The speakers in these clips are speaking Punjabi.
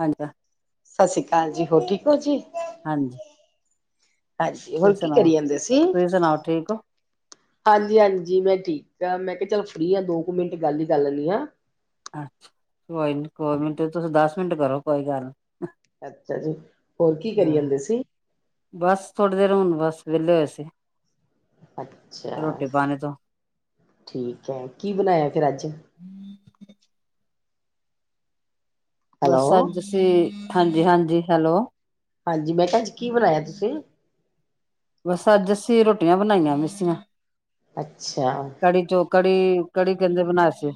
ਹਾਂਜੀ। ਸਤਿ ਸ੍ਰੀ ਅਕਾਲ ਜੀ ਹੋਰ ਠੀਕ ਹੋ ਜੀ। ਹਾਂਜੀ। ਹਾਂਜੀ ਹੋਰ ਤੁਸੀਂ ਕੀ ਸੁਣਾਓ ਕਰੀ ਜਾਂਦੇ ਸੀ। ਤੁਸੀਂ ਸੁਣਾਓ ਠੀਕ ਹੋ ਹਾਂਜੀ- ਹਾਂਜੀ ਮੈਂ ਠੀਕ, ਚ ਮੈਂ ਕਿਹਾ ਚੱਲ ਫ੍ਰਰੀ ਆ ਦੋ ਕੁ ਮਿੰਟ ਗੱਲ ਹੀ ਕਰ ਲੈਂਦੀ ਹਾਂ ਅੱਛਾ ਕੋਈ ਨੀ ਕੋਈ ਨੀ ਤੇ ਤੁਸੀਂ ਦੱਸ ਤੁਸੀਂ ਦਸ ਮਿੰਟ ਕਰੋ ਕੋਈ ਗੱਲ ਨਹੀਂ, ਅੱਛਿਆ ਜੀ ਹੋਰ ਕੀ ਕਰੀ ਹਾਂ ਜਾਂਦੇ ਸੀ। ਬਸ ਥੋੜ੍ਹੀ ਦੇਰ ਹੁਣ ਬਸ ਵਿਹਲੇ ਹੋਏ ਸੀ। ਅੱਛਾ ਰੋਟੀ ਪਾਣੀ ਤੋਂ ਠੀਕ ਹੈ, ਕੀ ਬਣਾਇਆ ਫਿਰ ਅੱਜ ਬਸ ਹੈਲੋ ਅੱਜ ਅਸੀਂ ਹਾਂਜੀ, ਹਾਂਜੀ ਹੈਲੋ ਹਾਂਜੀ, ਮੈਂ ਕਿਹਾ ਅੱਜ ਕੀ ਬਣਾਇਆ ਤੁਸੀਂ? ਬਸ ਅੱਜ ਅੱਸੀ ਰੋਟੀਆਂ, ਬਣਾਈਆਂ ਮਿ ਸੀਆਂ ਅੱਛਾ ਕੜੀ, ਕੜੀ ਕਹਿੰਦੇ ਬਨਾਸ਼ਯ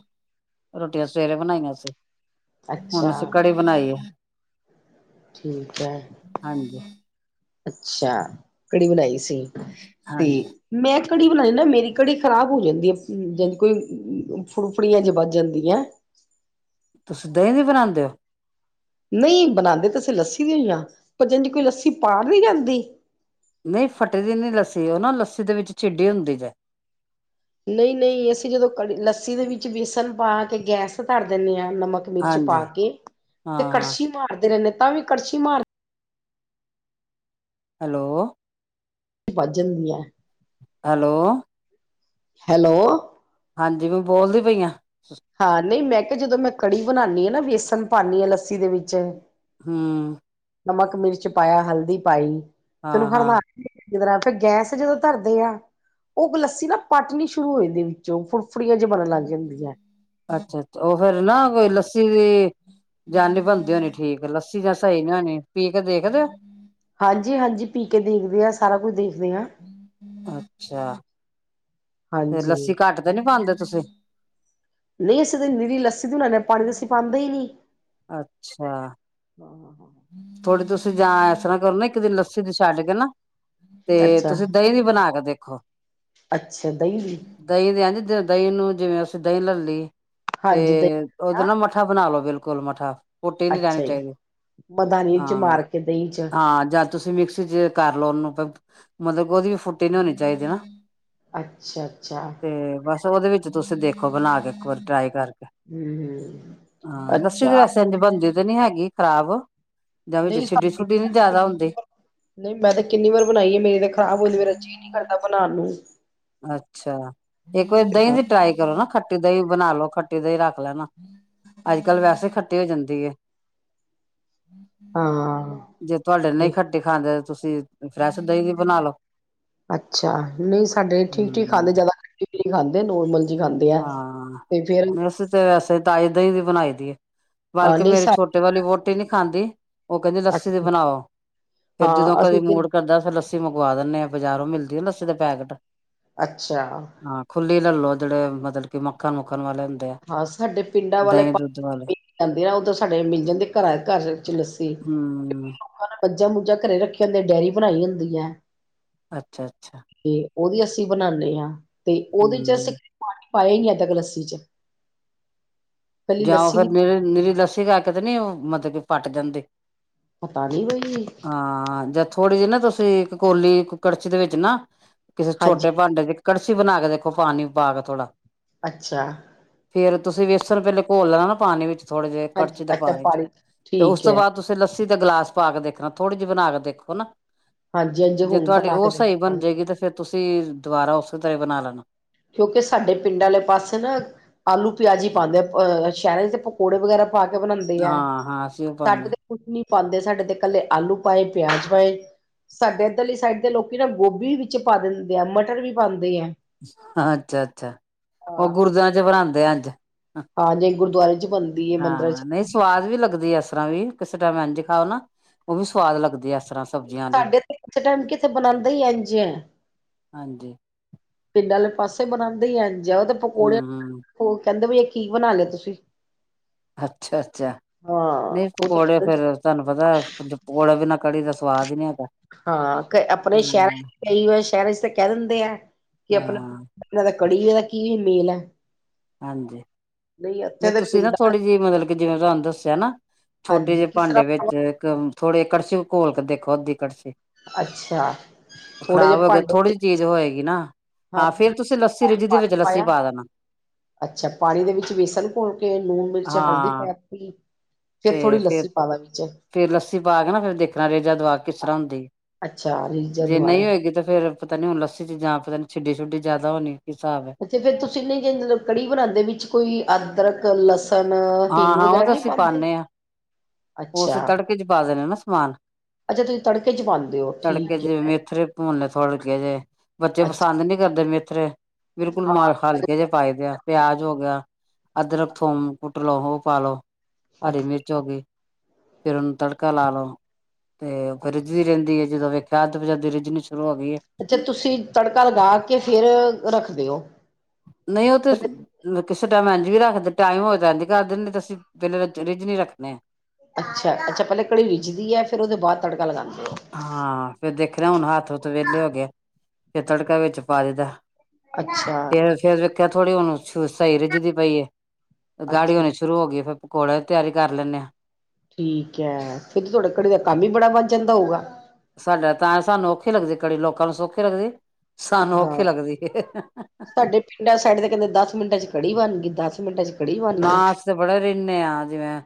ਰੋਟੀਆਂ ਸਵੇਰੇ ਬਣਾਈਆਂ ਸੀ। ਹੁਣ ਅੱਛਾ ਅਸੀਂ ਕੜੀ ਬਣਾਈ ਆ। ਠੀਕ ਹੈ। ਹਾਂਜੀ ਅੱਛਾ। ਕੜੀ ਬਣਾਈ ਸੀ। ਤੇ ਹਾਂਜੀ ਮੈਂ ਕੜੀ ਬਣਾਈ ਨਾ ਮੇਰੀ ਕੜੀ ਖਰਾਬ ਹੋ ਜਾਂਦੀਏ। ਸੀ ਜਦ ਕੋਈ ਫੁੜਫੁੜੀਆਂ ਜੀ ਬੱਜ ਜਾਂਦੀਆਂ ਤੁਸੀਂ ਦਹੀਂ ਦੀ ਬਣਾਉਂਦੇ ਹੋ? ਨਹੀਂ ਬਣਾਉਂਦੇ ਤਾਂ, ਅਸੀਂ ਲੱਸੀ ਉਹੀਆਂ ਪਰ ਜਿੰਜ ਕੋਈ ਲੱਸੀ ਪਾੜ ਨਹੀਂ ਜਾਂਦੀ। ਨਹੀਂ ਫਟਦੀ ਨਹੀਂ ਲੱਸੀ, ਉਹ ਨਾ ਲੱਸੀ ਦੇ ਵਿੱਚ ਛਿੱਡੀ ਹੁੰਦੀ ਜੇ ਨਹੀਂ, ਨਹੀਂ ਅਸੀਂ ਜਦੋਂ ਕੜੀ, ਲੱਸੀ ਦੇ ਵਿੱਚ ਵੇ ਸਣ ਪਾ ਕੇ ਗੈਸ ਧਰ ਦਿੰਦੇ ਆਂ। ਨਮਕ ਮਿਰਚ ਹਾਂਜੀ ਪਾ ਕੇ ਤੇ ਹਾਂ ਕੜਛੀ ਮਾਰਦੇ ਰਹਿੰਦੇ ਤਾਂ ਵੀ ਕੜਛੀ ਮਾਰ ਹੈਲੋ, ਵੱਧ ਜਾਂਦੀਆਂ। ਹੈਲੋ, ਹੈਲੋ, ਹਾਂਜੀ, ਮੈਂ ਬੋਲਦੀ ਪਈ ਹਾਂ। ਹਾਂ, ਨਹੀਂ ਮੈਂ ਕੇ ਜਦੋਂ ਮੈਂ ਕੜੀ ਬਣਨੀਆਂ ਆ ਨਾ ਵੇਸਣ ਪਾਣੀਆਂ ਲੱਸੀ ਦੇ ਵਿੱਚ ਹੂੰ ਨਮਕ, ਮਿਰਚ ਪਾਇਆ, ਹਲਦੀ ਪਾਈ। ਤੈਨੂੰ ਹਾਂ ਹਾਂ ਹਰਲਾ ਕੇ ਜਿਸ ਤਰ੍ਹਾਂ ਫਿਰ ਗੈਸ ਤੇ ਜਦੋਂ ਧਰਦੇ ਆ ।ਉਹ ਲੱਸੀ ਨਾ ਪਾਟਣੀ ਸ਼ੁਰੂ ਹੋ ਜਾਂਦੀ ਵਿੱਚੋਂ ਫੁਰ ਫੁਫੜੀਆਂ ਜੀ ਬਣਨ ਲੱਗ ਜਾਂਦੀਆਂ। ਅੱਛਾ- ਅੱਛਾ ਉਹ ਫੇਿਰ ਨਾ ਕੋਈ ਲੱਸੀ, ਦੀ ਜਾਨ ਨੀ ਬਣਦੀ ਹੋਣੀ। ਠੀਕ ਲੱਸੀ ਜਾਂ ਸਹੀ ਨੀ ਹੋਣੀ ਪੀ ਕੇ ਦੇਖ ਦਿਓ। ਹਾਂਜੀ, ਹਾਂਜੀ ਪੀ ਕੇ ਦੇਖਦੇ ਆ। ਸਾਰਾ ਕੁਝ ਦੇਖਦੇ ਆ। ਅੱਛਾ। ਤੇ ਹਾਂਜੀ ਲੱਸੀ ਘੱਟ ਤੇ ਨੀ ਪਾਉਂਦੇ ਤੁਸੀਂ? ਨਹੀਂ, ਅਸੀਂ ਤੇ ਨਿਰੀ ਲੱਸੀ ਦੀ ਬਣਾਉਣੇ ਆ ਪਾਣੀ ਤੇ ਅਸੀਂ ਪਾਉਂਦੇ ਈ ਨਹੀਂ। ਅੱਛਾ। ਥੋੜੀ ਤੁਸੀਂ ਜਾਂ ਇਸ ਤਰ੍ਹਾਂ ਕਰੋ ਨਾ ਇੱਕ ਦਿਨ ਲੱਸੀ ਤੇ ਛੱਡ ਕੇ ਨਾ ਤੇ ਤੁਸੀਂ ਅੱਛਾ-ਅੱਛਾ ਦਹੀਂ ਵੀ ਬਣਾ ਕੇ ਦੇਖੇ। ਦਹੀਂ ਦੀ [inaudible] ਦਹੀਂ ਦੀ ਇੰਜ ਦਹੀਂ ਨੂੰ ਜਿਵੇਂ ਅਸੀਂ ਦਹੀਂ ਲੈ ਲੀ। ਤੇ ਹਾਂਜੀ ਦਹੀਂ ਉਹਦੇ ਹਾਂ ਨਾ ਮੱਠਾ ਬਣਾ ਲੋ। ਬਿਲਕੁਲ ਮਠਾ ਫੁੱਟੀ ਨੀ ਅੱਛਾ ਰਹਿਣੀ ਜੀ ਚਾਹੀਦੀ। ਮਦਾਨੀ ਚ ਹਾਂ ਮਾਰ ਕੇ ਦਹੀਂ ਚ ਹਾਂ ਜਾਂ ਤੁਸੀਂ ਮਿਕਸੀ ਚ ਕਰ ਲਓ। ਉਹਨੂੰ ਮਤਲਬ ਉਹਦੀ ਵੀ ਫੁੱਟੀ ਨੀ ਹੋਣੀ ਚਾਹੀਦੀ ਨਾ। ਅੱਛਾ-ਅੱਛਾ। ਤੇ ਬਸ ਉਹਦੇ ਵਿੱਚ ਤੁਸੀਂ ਦੇਖੋ ਬਣਾ ਕੇ ਇੱਕ ਵਾਰੀ ਟਰਾਈ ਕਰ ਹੂੰ ਹੂੰ ਹਾਂ, ਲੱਸੀ ਦੀ ਅੱਛਾ ਵੈਸੇ ਇੰਜ ਬੰ ਨ ਹੈਗੀ। ਖ਼ਰਾਬ ਜਾਂ ਵਿੱਚ ਨਹੀਂ ਛਿੱਡੀ ਛੁੱਡੀ ਨੀ ਜ਼ਿਆਦਾ ਹੁੰਦੀ [inaudible] ਨਹੀਂ ਮੈਂ ਤੇ ਕਿੰਨੀ ਵਾਰ ਬਣਾਈ ਹੈ। ਮੇਰੀ ਤੇ ਖ਼ਰਾਬ ਹੋਦੀ ਮੇਰਾ ਜੀ ਨੀ ਕਰ ਬਨਾਨ ਨੂੰ ਅੱਛਾ। ਇੱਕ ਵਾਰੀ ਦਹੀਂ ਹਾਂ ਦੀ ਟਰਾਈ ਕਰੋ, ਨਾ ਖੱਟੀ ਦਹੀਂ ਬਣਾ ਲੋ। ਖੱਟੀ ਦਾ ਹੀ ਰੱਖ ਲੈਣਾ, ਅੱਜ-ਕੱਲ ਵੈਸੇ ਖੱਟੀ ਹੋ ਜਾਂਦੀ ਏ। ਹਾਂ ਜੇ ਤੁਹਾਡੇ ਨਹੀਂ ਖੱਟੀ ਖਾਂਦੇ ਤੁਸੀਂ ਫਰੈਸ਼ ਦਹੀਂ ਦੀ ਬਣਾਲੋ। ਅੱਛਾ। ਨਹੀਂ ਸਾਡੇ ਠੀਕ-ਠੀਕ ਹਮ ਖਾਂਦੇ ਜ਼ਿਆਦਾ ਖੱਟੀ ਵੀ ਨਹੀ ਖਾਂਦੇ ਨੋਰਮਲ ਜੀ ਖਾਂਦੇ ਆ ਹਾਂ ਤੇ ਫੇਰ ਨਹੀ ਅਸੀਂ ਤੇ ਵੈਸੇ ਤਾਈ ਦਹੀ ਦੀ ਬਣਾਈ ਦੀ ਏ। ਹਾਂ ਬਲਕਿ ਨਈ ਮੇਰੇ ਸਾ ਛੋਟੇ ਵਾਲੀ ਵੋ ਡੇ ਨੀ ਖਾਂਦੇ। ਉਹ ਕਹਿੰਦੇ ਲੱਸੀ ਤੇ ਬਣਾਓ, ਫੇਰ ਜਦੋਂ ਹਾਂ ਕਦੇ ਅਸੀਂ ਤੇ ਮੂੜ ਕਰਦਾ ਲੱਸ ਮੰਗਵਾ ਦਿੰਦੇ ਆ ਬਜ਼ਾਰੋਂ ਮਿਲ ਲੱਸੀ ਦੇ ਪੈਕੇਟ ਅੱਛਾ ਹਾਂ ਖੁੱਲ ਲੈ ਲੋ ਜਿਹੜੇ ਮਤਲਬ ਕਿ ਮੱਖਣ- ਮੁੱਖਣ ਵਾਲੇ ਹੁੰਦੇ ਆ ਹਾਂ ਸਾਡੇ ਪਿੰਡਾਂ ਵਾਲੇ ਦਹੀਂ ਪਾ ਦੁੱਧ ਵਾਲੇ ਜਾਂਦੇ ਆ ਉਹਦੋਂ ਸਾਡੇ ਮਿਲ ਜਾਂਦੇ ਘਰਾਂ ਘਰ ਚ ਲੱਸੀ ਹਮ ਲੋਕਾਂ ਨੂੰ ਮੱਝਾਂ ਮੁੱਜਾਂ ਘਰੇ ਰੱਖੇ ਹੁੰਦੇ, ਡੇਅਰੀ ਬਣਾਈ ਹੁੰਦੀ ਐ। ਅੱਛਾ, ਅੱਛਾ। ਉਹਦੀ ਅਸੀਂ ਬਣਾਂਣੇ ਆਂ। ਤੇ ਉਹਦੇ ਚ ਅਸੀਂ ਹਮ ਪਾਣੀ ਪਾਇਆ ਨੀ ਏਦਾਂ ਕ ਲੱਸੀ ਚ ਪਹਿਲੀ ਜਾਂ ਲੱਸੀ ਦੀ ਫਿਰ ਮੇਰੇ ਨਈ ਲੱਸੀ ਕਰਕੇ ਤੇ ਨੀ ਉਹ ਮਤਲਬ ਕਿ ਪੱਟ ਦਿੰਦੇ ਪਤਾ ਨੀ ਬਈ ਜਾਂ ਥੋੜ੍ਹੀ ਜਿਹੀ ਨਾ ਤੁਸੀਂ ਕੋਲੀ ਕੜਛੀ ਦੇ ਵਿੱਚ ਨਾ ਕਿਸੇ ਹਾਂਜੀ ਛੋਟੇ ਭਾਂਡੇ ਚ ਕੜਸੀ ਬਣਾ ਕੇ ਦੇਖੋ, ਪਾਣੀ ਪਾ ਕੇ ਥੋੜਾ ਅੱਛਾ, ਫੇਰ ਤੁਸੀਂ ਵੇਸਣ ਵੇਲੇ ਘੋਲਣਾ ਨਾ ਪਾਣੀ ਵਿੱਚ ਥੋੜੇ ਜਿਹੇ ਹਾਂਜੀ ਕੜਛੀ ਦੇ ਅੱਛਾ ਪਾਣੀ ਚ ਤੇ ਉਸ ਠੀਕ ਤੋਂ ਹੈ ਬਾਅਦ ਤੁਸੀਂ ਲੱਸ ਤੁਸੀਂ ਤਾਂ ਗਿਲਾਸ ਪਾ ਕੇ ਦੇਖਣਾ ਥੋੜੀ ਜਿਹੀ ਬਣਾ ਕੇ ਦੇਖੋ ਨਾ ਹਾਂਜੀ ਹਾਂਜੀ ਜੇ ਹੁਣ ਤੁਹਾਡੀ ਬਣਾ ਕੇ ਉਹ ਸਹੀ ਬਣ ਦੇਖਾਂਗੇ ਜਾਏਗੀ, ਤੇ ਫੇਰ ਤੁਸੀਂ ਦੁਬਾਰਾ ਉਸੇ ਤਰ੍ਹਾਂ ਬਣਾ ਲੈਣਾ ਕਿਉਂਕਿ ਸਾਡੇ ਪਿੰਡ ਵਾਲੇ ਪਾਸੇ ਨਾ ਆਲੂ ਪਿਆਜ਼ ਹੀ ਪਾਉਂਦੇ ਅਹ ਸ਼ਹਿਰ ਦੇ ਪਕੌੜੇ ਵਗੈਰਾ ਪਾ ਕੇ ਬਣਾਉਂਦੇ ਹੈ ਹਾਂ ਹਾਂ ਅਸੀਂ ਉਹ ਪਾਉਂਦੇ ਸਾਡੇ ਤੇ ਕੁਛ ਨੀ ਪਾਉਂਦੇ ਸਾਡੇ ਤੇ ਇਕੱਲੇ ਆਲੂ ਪਾਏ ਪਿਆਜ ਪਾਏ ਸਾਡੇ ਇੱਧਰਲੀ ਸਾਈਡ ਦੇ ਲੋਕੀ ਨਾ ਗੋਭੀ ਵਿੱਚ ਪਾ ਦਿੰਦੇ ਆ ਮਟਰ ਵੀ ਪਾਉਂਦੇ ਆ ਅੱਛਾ ਅੱਛਾ ਉਹ ਹਾਂ ਗੁਰਦਆਿਆਂ ਚ ਫਰਾਂਂਦੇ ਆ ਅੱਧ ਹਾਂ ਜ ਗੁਰਦੁਆਰੇ ਚ ਬਣਦੀ ਹੈ ਮੰਦਿਰਾਂ ਚ ਹਾਂ ਨਹੀਂ ਸਵਾਦ ਵੀ ਲੱਗਦੀ ਇਸ ਤਰ੍ਹਾਂ ਵੀ ਕਿਸੇ ਟਾਈਮ ਇੰਝ ਖਾਓ ਨਾ ਉਹ ਵੀ ਸੁਵਾਦ ਲੱਗਦਾ ਸਾਡੇ ਤੇੇ ਟਾਈਮ ਕਿਥੇ ਬਣਾਉਦੇ ਹੀ ਐਝ ਐ ਹਾਂਜੀ ਪਿੰਡ ਵਾਲੇ ਪਾਸੇ ਬਣਾਉਂਦੇ ਹੀ ਆ ਜ ਉਹ ਤਾਂ ਹਮ ਪਕੌੜੇ ਹਮ ਕਹਿੰਦੇ ਵੀ ਕੀ ਬਣਾ ਲਿਆ ਤੁਸੀਂ ਅੱਛਾ ਅੱਛਾ ਹਾਂ ਨਹੀਂ ਉਹ ਤੇ ਪਕੌੜੇ ਫੇਰ ਕਹਿੰਦੇ ਤੁਹਾਨੂੰ ਪਤਾ ਕੁੱਝ ਪਕੌੜਾ ਬਿਨਾ ਕੜੀ ਦਾ ਸਵਾਦ ਹੀ ਨ ਹਾਂ ਕ ਆਪਣੇ ਸ਼ਹਿਰਾਂ ਚ ਕਈ ਵ ਸ਼ਹਿਰਾਂ ਚ ਤਾਂ ਕਹਿ ਦਿੰਦੇ ਆ ਕਿ ਹਾਂ ਆਪਣਾ ਦਾ ਕੜੀਏ ਦਾ ਕੀ ਮੇਲ ਹੈ ਹਾਂਜੀ ਇੱਥੇ ਨਹੀਂ ਦੇ ਤੁਸੀ ਨਾ ਪਿੰਡਾਂ ਥੋੜ੍ਹੀ ਜਿਹੀ ਮਤਲਬ ਕਿ ਜਿਵੇਂ ਤੁਹਾਨੂੰ ਦੱਸਿਆ ਨਾ ਛੋਟੇ ਹਾਂਜੀ ਜਿਹੇ ਕਿਸ ਭਾਂਡੇ ਤਰ੍ਹਾਂ ਵਿੱਚ ਇੱਕ ਥੋੜੀ ਕੜਛੀ ਘੋਲ ਕੇ ਦੇਖੋ ਅੱਧੀ ਕੜਛੀ। ਅੱਛਾ ਥੋੜੇ ਖ਼ਰਾਬ ਜਿਹੇ ਹੋਗੀ ਭਾਂਡੇ ਥੋੜੀ ਚ ਜਿਹੀ ਚੀਜ਼ ਹੋਏਗੀ। ਨਾ। ਹਾਂ ਫੇਰ ਤੁਸੀ ਲੱਸੀ ਪਾਣੀ ਰਿੱਝਦੀ ਦੇ ਵਿੱਚ ਲੱਸੀ ਪਾਇਆ ਪਾ ਦੇਣਾ। ਅੱਛਾ ਪਾਣੀ ਦੇ ਵਿੱਚ ਵੇਸਨ ਘੋਲ ਕੇ ਲੂਣ ਮਿਰਚ ਹਲਦੀ ਹਾਂ ਪਾ ਤੀ। ਤੇ ਥੋੜ੍ਹੀ ਫੇਰ ਲੱਸੀ ਪਾਦਾ ਵਿੱਚ ਫੇਰ ਲੱਸੀ ਪਾ ਕੇ ਨਾ ਫਿਰ ਦੇਖਣਾ ਰੇਜ਼ਾ ਦਵਾ ਕਿਸ ਤਰ੍ਹਾਂ ਹੁੰਦੀ ਅੱਛਾ ਰੀਝਾ ਜੇ ਨਹੀਂ ਦੁਬਾਰਾ ਹੋਏਗੀ ਤਾਂ ਫੇਰ ਪਤਾ ਨਹੀਂ ਹੁਣ ਲੱਸੀ ਚ ਜਾਂ ਪਤਾ ਨੀ ਛਿਡੀੇ ਛੁੱਡੀ ਜ਼ਿਆਦਾ ਹੋਣੀ। ਹਿਸਾਬ ਹੈ ਅੱਛਾ ਜੇ ਤੁਸੀ ਨਹੀਂ ਜੇ ਕੜੀ ਬਣਾਉਂਦੇ ਵਿੱਚ ਕੋਈ ਅਦਰਕ ਯ ਲਸ ਹਾਂ ਹਾਂ ਉਹ ਤਾਂ ਅਸੀਂ ਪਾਨੇ ਹਾਂ ।ਉਹ ਅੱਛਾ ਅਸੀ ਤੜਕੇ ਚ ਪਾ ਦੇਣੇ ਆ ਨਾ। ਮਾਲ ਅੱਛਾ ਤੁਸੀਂ ਤੜਕੇ ਚ ਪਾਉਂਦੇ ਹੋ ਠੀਕ ਜਿਵੇਂ ਹੈ। ਮੇਥਰੇ ਭੁੰਨ ਤੜਕੇ ਜੇ। ਬੱਚੇ ਅੱਛਾ ਪਸੰਦ ਨੀ ਕਰਦੇ ਮੇਥਰੇ ਬਿਲਕੁਲ ਹਾਂ ਮਲ ਹਲਕੇ ਜਿਹੇ ਪਾਏਦੇ ਆ। ਪਿਆਜ ਹੋ ਗਿਆ। ਅਦਰਕ ਫੋਮ। ਕੁਟ ਲੋੋ ਹੋ ਪਾਲੋ। ਹਰੀ ਮਿਰਚ ਹੋ ਗਈ। ਫਿਰ ਓਨੂੰ ਤੜਕਾ ਲਾ ਲਓ। ਤੇ ਫੇਰ ਰਿੱਜਦੀ ਰਹਿੰਦੀ ਹੈ ਜਦੋਂ ਵੇਖ [unintelligible] ਜਦ ਰਿਜਣੀ, ਅੱਛਾ ਤੁਸੀਂ ਤੜਕਾ ਲਗਾ ਕੇ ਫੇਰ ਰੱਖਦੇ ਔ? ਨਹੀਂ ਉਹ ਤੇ ਕਿਸੇ ਮੈਂ ਏਂਝ ਵੀ ਰੱਖਦੇ ਟਾਈਮ ਹੋਏਤੇ ਏਂਜ ਕਰ ਦੇਨੇ ਤੇ ਅਸੀ ਪਹਿਲੇ ਰ ਰਿੱਝਨੀ ਰੱਖਣੇ ਆ। ਅੱਛਾ-ਅੱਛਾ ਪਹਿਲੇ ਕੜੀ ਰਿਜਦੀ ਹੈ ਫਿਰ ਉਹਦੇ ਬਾਅਦ ਤੜਕਾ ਲਗਾਦੇ ਔ। ਹਾਂ ਫਿਰ ਦੇਖਣਾ ਹੁਣ ਹੱਥ ਤੋਂ ਵਿਹਲੇ ਹੋ ਗੇ। ਫੇਰ ਤੜਕਾ ਵਿੱਚ ਪਾ ਦਿੱਤਾ। ਅੱਛਾ, ਫੇਰ ਫੇਰ ਵੇਖਿਆ। ਥੋੜੀ ਹੁਣ ਤ ਸਹੀ ਰਿੱਝਦੀ ਪਈ ਏ ਗਾੜੀ ਅੱਛਾ ਹੋਣੀ ਸ਼ੁਰੂ ਹੋ ਗਈ ਫਿਰ ਪਕੋੜੇ ਦੀ ਤਿਆਰੀ ਕਰ ਲੈਂਨੇ ਆ। ਠੀਕ ਐ, ਫਿਰ ਤੇ ਤੁਹਾਡੇ ਕੜੀ ਦਾ ਕੰਮ ਹੀ ਬੜਾ ਵਧ ਜਾਂਦਾ ਹੋਊਗਾ। ਸਾਡਾ ਤਾਂ ਸਾਨੂੰ ਔਖੀ ਲੱਗਦੀ ਕੜੀ ਲੋਕਾਂ ਨੂੰ ਸੌਖੀ ਲੱਗਦੀ। ਸਾਨੂੰ ਔਖੀ ਹਾਂ ਲੱਗਦੀ ਸਾਡੇ ਪਿੰਡਾਂ ਸਾਈਡ ਤੇ ਕਹਿੰਦੇ ਦਸ ਮਿੰਟਾਂ ਚ ਕੜੀ ਬਣ ਗਈ। ਦਸ ਮਿੰਟਾਂ 'ਚ, ਕੜੀ ਬਣ ਨਾ ਗਈ। ਅਸੀਂ ਤੇ ਬੜੇ ਰਹਿੰਦੇ ਹਾਂ ਜਿਵੇਂ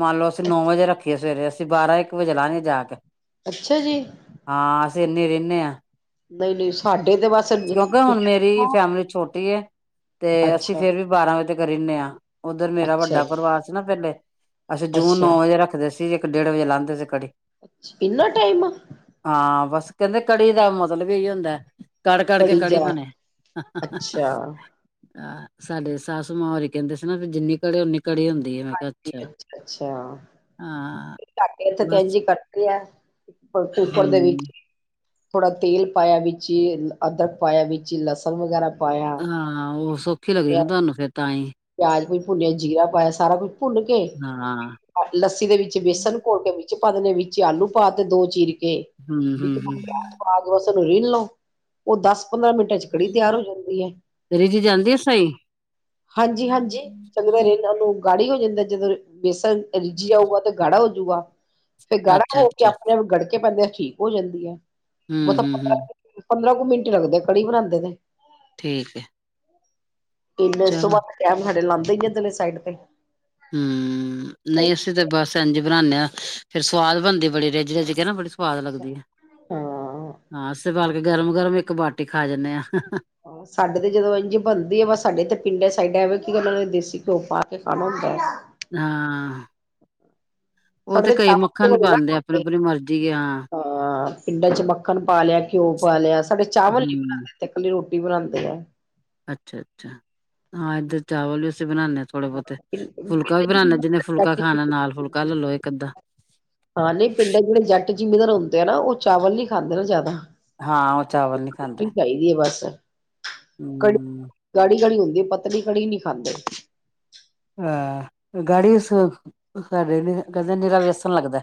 ਮੰਨ ਲਓ ਅਸੀਂ ਨੌ ਵਜੇ ਰੱਖੀਏ ਸਵੇਰੇ ਅ ਅਸੀਂ ਬਾਰਾਂ ਇੱਕ ਵਜੇ ਲਾਗੇ ਜਾ ਕੇ, ਅੱਛਾ ਜੀ, ਨੇ ਰਹਿੰਨੇ ਆ। ਨਹੀਂ-ਨਹੀਂ ਸਾਡੇ, ਤੇ ਬਸ ਕਿਉਂਕਿ ਹੁਣ ਮੇਰੀ ਫੈਮਿਲੀ ਛੋਟੀ ਹੈ। ਤੇ ਅਸੀਂ ਅੱਛਾ, ਫੇਰ ਵੀ ਬਾਰਾਂ ਵਜੇ, ਕਰੀਨੇ ਆ, ਉੱਧਰ ਮੇਰਾ ਅੱਛਾ ਵੱਡਾ ਜੀ, ਪਰਿਵਾਰ ਸੀ ਨਾ ਪਹਿਲੇ? ਅਸੀਂ ਜੂਨ ਨੌ ਅੱਛਾ ਵਜੇ ਰੱਖਦੇ ਸੀ। ਸੀ ਇੱਕ ਡੇਢ ਵਜੇ ਲਾਗਦੇ ਸੀ ਕੜੀ ਅੱਛਾ ਐਨਾ ਟਾਈਮ, ਹਾਂ ਬਸ ਕਹਿੰਦੇ ਕੜੀ ਦਾ ਮਤਲਬ ਈ ਹੁੰਦਾ। ਕੜ ਕੜ ਕੇ ਬੜੀ ਕੜੀ ਜਾ ਬਣੇ। ਅੱਛਾ, ਹਾਂ ਸਾਡੇ ਸਾਸੂ ਮਾਂ ਓਰੀ ਕਹਿੰਦੇ ਸੀ ਨਾ ਜਿੰਨੀ ਘੜੇ ਉਨੀ ਹਾਂਜੀ ਅੱਛਾ ਹਾਂ ਅੱਛਾ ਬਸ [unintelligible] ਹਮ ਵਿੱਚ ਥੋੜਾ ਤੇਲ ਪਾਇਆ ਵਿੱਚ ਅਦਰਕ ਪਾਇਆ ਵਿੱਚ ਲਸਣ ਵਗੈਰਾ ਪਾਇਆ ਹਾਂ ਉਹ ਸੌਖੀ ਲੱਗਦੀ ਨਾ ਤੁਹਾਨੂੰ ਫੇਰ ਤਾਂ ਹੀ ਪਿਆਜ ਕੋਈ ਭੁੰਨਿਆ ਜੀਰਾ ਪਾਇਆ ਸਾਰਾ ਕੁੱਝ ਭੁੰਨ ਕੇ ਹਾਂ ਲੱਸੀ ਦੇ ਵਿੱਚ ਬੇਸਣ ਘੋਲ ਕੇ [unintelligible] ਵਿੱਚ ਆਲੂ ਪਾ ਤੇ ਦੋ ਚੀਰ ਹਮ ਹਮ ਹਮ [unintelligible] [unintelligible] ਲਓ ਉਹ ਦੱਸ ਰਿਝ ਜਾਂਦੀ ਆ ਸਹੀ ਹਾਂਜੀ ਹਾਂਜੀ [unintelligible] ਨੂੰ ਗਾੜੀ ਹੋ ਜਾਂਦਾ ਜਦੋਂ ਬੇਸਣ ਰੀਝਆ [unintelligible] ਤੇ ਗੜਾ [unintelligible] ਫਿਰ ਗਾੜਾ ਅੱਛਾ ਹੋ ਕੇ ਅੱਛਾ ਆਪਣੇ ਆਪ ਗੜਕ ਤੇ ਬੰਦੇਿਆਂ ਠੀਕ ਹੋ ਜਾਂਦੀ ਆ [unintelligible] ਪੰਦਰਾਂ ਕੁ ਮਿੰਟ ਲੱਗਦੇ ਕੜੀ ਬਨਾਂਦੇ ਦੇ ਠੀਕ ਹੈ। [unintelligible] ਚਲੋ ਦਈ ਜਾਂਦੇ ਨੇ ਸਾਈਡ ਤੇ ਹਮ ਨਹੀਂ ਅਸੀਂ ਤੇ ਬਸ ਇੰਝ, ਬਣਾਨੇ ਹਾਂ ਫੇਰ ਸਵਾਦ ਬਣਦੀ ਬੜੀ ਰਿੱਝ-ਰਿੱਝ ਏ ਨਾ ਬੜੀ ਸਵਾਦ ਲੱਗਦੀ ਏ ਹਾਂ ਹਾਂ [unintelligible] ਗਰਮ- ਗਰਮ ਇੱਕ ਬਾਟੀ ਖਾ ਜਾਂਨੇਂ ਆਂ ਸਾਡੇ ਤੇ ਜਦੋਂ ਇੰਝ ਬਣਦੀ ਏ ਬਸ ਸਾਡੇ ਤੇ ਪਿੰਡਾਂ ਸਾਈਡ [unintelligible] ਕਿਉਕਿ ਉਹਨਾਂ ਨੇ ਦੇਸੀ ਘਿਓ ਪਾ ਕੇ ਖਾਨਾ ਹੁੰਦਾ ਹੈ। ਹਾਂ। ਉਹ ਸਾਡੇ ਤੇ ਕਈ ਚਾਵਲ ਮੱਖਣ ਘਿਓ ਨਾ ਪਾਂਦੇ ਆਪਣੀ ਖਾਂਦੇ ਆਪਣੀ ਮਰਜ਼ੀ ਹਾਂ। ਹਾਂ ਪਿੰਡਾਂ ਚ ਮੱਖਣ ਪਾ ਲਿਆ ਘਿਓ ਪਾ ਲਿਆ, ਸਾਡੇ ਚਾਵਲ ਨੀ ਹੂੰ, ਬਣਾਂਦੇ ਇਥੇ ਕੱਲੀ ਰੋਟੀ [unintelligible] ਅੱਛਾ-ਅੱਛਾ ਹਾਂ ਇੱਧਰ ਚਾਵਲ ਵੀ ਬਣਾਣੇ ਆ ਥੋੜੇ ਬਹੁਤੇ ਫੁਲਕਾ ਵੀ ਬਣਾਣੇ ਜਿਹਨੇ ਫੁਲਕਾ ਖਾਣਾ ਨਾਲ ਫੁਲਕਾ ਲੈ ਲਓ ਇਕ ਅੱਧਾ ਹਾਂ, ਨਹੀਂ ਪਿੰਡਾਂ ਜਿਹੜੇ ਜੱਟ ਜਿਂਮੀਦਾਰ ਹੁੰਦੇ ਆ, ਨਾ ਉਹ ਚਾਵਲ ਨੀ ਖਾਂਦੇ ਨ ਜ਼ਿਆਦਾ। ਹਾਂ, ਉਹ ਚਾਵਲ ਨਹੀ ਖਾਂਦੇ। ਰੋਟੀ ਚਾਹੀਦੀ ਹੈ ਬਸ ਕੜੀ ਗਾੜੀ-ਗਾੜੀ ਹੁੰਦੀ। ਏ, ਪਤਲੀ ਕੜੀ ਨਹੀ ਖਾਂਦੇ। ਹਾਂ, ਗਾੜੀ ਸਾਡੇ ਕਹਿੰਦੇ ਨੀਰਾ ਵੇਸਣ ਲੱਗਦਾ।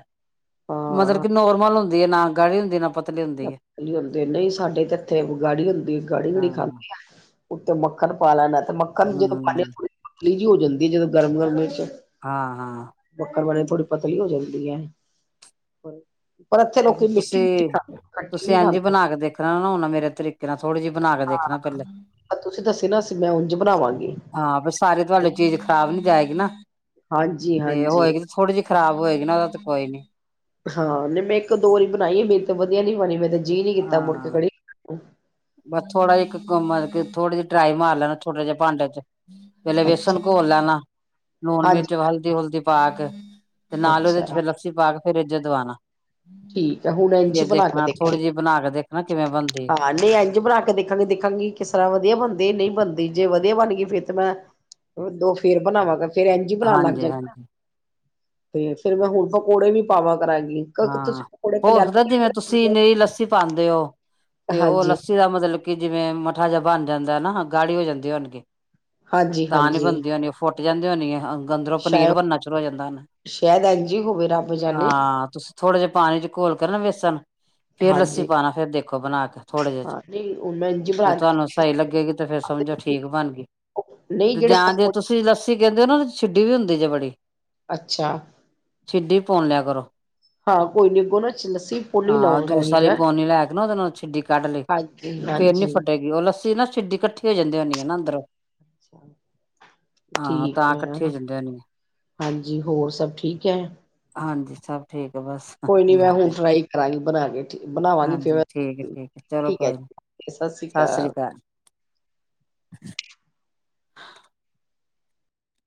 ਮਤਲਬ ਹਾਂ। ਕੀ ਨੋਰਮਲ ਹੁੰਦਾ। ਏ ਨਾ, ਗਾੜੀ ਹੁੰਦੀ ਏ, ਨਾ ਪਤਲੀ। ਹੁੰਦੀ ਏ। ਲੀ ਹੁੰਦੀ ਨਹੀਂ ਸਾਡੇ ਤੇ, ਏਥੇ ਗਾੜੀ ਹੁੰਦੀ ਗਾੜੀ- ਗੜੀ ਹਾਂ, ਖਾਂਦੇ ਆ। ਉੱਤੇ ਮੱਖਣ ਪਾ ਲੈਣਾ, ਤੇ ਮੱਖਣ ਜਦੋਂ ਪਾ ਹੂੰ, ਹੋ ਜਾਂਦੀ ਹੈ, ਜਦੋਂ ਗਰਮ- ਗਰਮ'ਚ ਹਾਂ -ਹਾਂ। ਥੋੜੀ ਪਤਲੀ ਹੋ ਜਾਂਦੀ ਹੈ। ਪਰ, ਇੱਥੇ ਲੋਕ ਮਿੱਠੀ -ਮਿੰਠੀ ਤੁਸੀਂ ਖਾਂਦੇ ਆ। ਤੁਸੀਂ ਐਂਜ ਬਣਾ ਕੇ ਦੇਖਣਾ ਨਾ ਹੁਣ, ਮੇਰੇ ਤਰੀਕੇ ਨਾਲ ਥੋੜੀ ਜਿਹੀ ਬਣਾ ਕੇ ਦੇਖਣਾ, ਪਹਿਲੇ ਤੁਸੀਂ ਦੱਸੇ ਨਾ ਅਸੀਂ ਮੈਂ ਉੰਝ ਬਣਾਵਾਂਗੀ ਹਾਂ। ਫੇਰ ਸਾਰੀ ਤੁਹਾਡੀੇ ਚੀਜ਼ ਖ਼ਰਾਬ ਨੀਯ ਜਾਏਗੀ ਨਾ। ਹਾਂਜੀ ਤੇ -ਹਾਂਜੀ। ਹੋਏਗੀ ਥੋੜ੍ਹੀ ਜਿਹੀ ਖ਼ਰਾਬ ਹੋਏਗੀ ਨਾ, ਉਹਦਾ ਤੇ ਕੋਈ ਨੀ। ਹਾਂ। ਮੈਂ ਇੱਕ- ਵਰੀ ਬਣਾਈ, ਮੇਰੀ ਤੇ ਵਧੀਆ ਨੀ ਬਣੀ ਮੈਂ ਜੀਅ ਨੀ ਕੀਤਾ ਮੁੜ ਕੇ ਹਾਂ ਕੜੀ ਬਸ ਥੋੜਾ ਜਿਹਾ ਇੱਕ ਕੰਮ ਕਰ, ਥੋੜ੍ਹਾ ਜੀ ਡਰਾਈ ਮਾਰ ਲੈਣਾ ਥੋੜੇ ਜਿਹੇ ਭਾਂਡੇ ਧੋ ਪਹਿਲੇ ਵੇਸਣ ਅੱਛਾ ਘੋਲ ਲੈਣਾ, ਲੂਣ-ਮਿਰਚ ਹਾਂਜੀ ਹਲਦੀ-ਹੁਲਦੀ ਪਾ ਕੇ ਤੇ, ਨਾਲ ਉਹਦੇ'ਚ ਅੱਛਾ ਫੇਰ ਲੱਸੀ ਪਾ ਕੇ ਫਿਰ ਜ ਦਵਾਣਾ ਠੀਕ ਹੈ ਹੁਣ ਇੰਝ ਫਿਰ ਬਣਾ ਕੇ ਦੇਖਣਾ, ਦੇਖਾਂਗੇ ਥੋੜ੍ਹੀ ਜਿਹੀ ਬਣਾਕੇ ਦੇਖਣਾ ਕਿਵੇਂ ਬਣਦੀ। ਦੇਖਾਂਗੀ-ਦੇਖਾਂਗੀ ਕਿਸ ਤਰ੍ਹਾਂ ਵਧੀਆ ਬਣਦੀ, ਨਹੀਂ ਬਣਦੀ। ਜੇ ਵਧੀਆ ਬਣ ਗੲਈ ਫੇਰ ਤਾਂ, ਮੈਂ ਦੋ ਫੇਰ ਬਣਾਵਾਂਗੀ। ਫੇਰ ਇੰਝ ਈ ਬਣਾਨ ਲੱਗ ਹਾਂਜੀ ਜਾ ਹਾਂਜੀ ਤੇ, ਫੇਰ ਮੈਂ ਹੁਣ ਪਕੌੜੇ ਵੀ ਪਾਵਾਂ ਕਰਾਂਗੀ। ਹਾਂ, ਤੁਸੀਂ ਪਕੌੜੇ ਹੋਰ ਜਿਵੇਂ ਤੁਸੀਂ ਕਲਿਆਣੇ ਨਹੀ ਲੱਸੀ ਪਾਉਂਦੇ ਹੋ ਤੇ, ਉਹ ਹਾਂਜੀ ਲੱਸੀ ਦਾ ਮਤਲਬ। ਕਿ, ਜਿਵੇਂ ਮੱਠਾ ਜਬ ਬਣ ਜਾਂਦੈ ਨਾ ਗਾੜੀ ਹੋ ਜਾਂਦੀ ਹੋਣਗੀ ਹਾਂਜੀ ਤਾਂ, ਨਹੀ ਬਣਦੀ ਹੋਨੀ ਫੋਟ ਲਯਾਂਦੇ ਹੁੰਦੀ ਹ ਹਾਂ। ਸ਼ਾ, [unintelligible] ਸ਼ਾਇਦ ਐੰਜੀ ਹੋਵੇ ਰੱਬ ਜਾਨੇ। ਹਾਂ ਥੋੜੇ ਜਿਹੇ ਪਾਣੀ ਚ ਘੋਲ ਕੇ ਨਾ ਵੇਸਣ, ਫੇਰ ਲੱਸੀ ਹਾਂਜੀ ਪਾਉਣਾ। ਫੇਿਰ ਦੇਖੋ ਬਣਾ ਕੇ ਥੋੜੇ ਜਿਹੇ ਚ। ਹਾਂ ਨਹੀਂ ਹੁਣ ਮੈਂ ਇੰਝ ਜੇ ਬਣਾ ਤੁਹਾਨੂੰ ਸਹੀ ਲੱਗੇਗੀ ਤੇ ਫੇਿਰ ਸਮਝੋ ਠੀਕ ਬਣ ਗੀ। ਨਹੀਂ ਤੇ ਜਿਹੜੇ ਜਾਂ ਜੇ ਪਕੌੜੇ ਤੁਸੀਂ ਲੱਸੀ ਕਹਿੰਦੇ ਹੋ ਨਾ ਛਿੱਡੀ ਹੁੰਦੀ ਜੇ ਬੜੀ ਅੱਛਾ। ਛਿਡੀ ਪੁਨ ਲਿਆ ਕਰੋ। ਹਾਂ, ਕੋਈ ਨੀ ਅੱਗੋਂ ਨਾ ਚ ਲੱਸੀ ਪੋਣੀ ਹਾਂ ਲਉਂ ਜੂਸ ਕਰਾਂਗੀ ਵਾਲੀ ਮੈਂ। ਪੋਨੀ ਲੈ ਕੇ ਨਾ ਉਹਦੇ ਨਾਲ ਛਿੱਡੀ ਕੱਢ ਹਾਂਜੀ-ਹਾਂਜੀ। ਤੋ ਨਾ ਛਿਡੀ ਇਕੱਠੀ ਹੋ ਜਾਂਦੀ ਹੁੰਨੀ ਹੈ ਨਾ ਅੰਦਰੋਂ। ਹਾਂ ਠੀਕ ਤਾਂ ਇਕੱਠੀ ਹੈ। ਹੋ ਜਾਂਦੀ ਹੋਣੀ ਹੈ। ਹਾਂਜੀ, ਹੋਰ ਸਭ ਠੀਕ ਹੈ? [unintelligible] ਠੀਕ। ਹੈ ਬਸ ਕੋਈ ਨੀ, ਮੈਂ ਲੇਟੇ ਹੁਣ ਫਰਾਈ ਕਰਾਂਗੀ ਬਣਾ ਕੇ ਬਣਾਵਾਂਗੀ ਫੋਰ ਹਾਂਜੀ ਠੀਕ ਹੈ ਮੈੰ। ਠੀਕ ਚਲੋ ਠੀਕ ਹੈ। ਕੋਈ ਨੀ ਸਤ ਸ੍ਰੀ ਅਕਾਲ। ਹਾਂ।